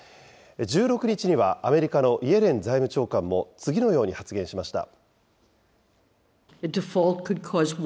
１６日にはアメリカのイエレン財務長官も次のように発言しました。